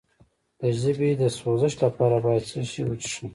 د ژبې د سوزش لپاره باید څه شی وڅښم؟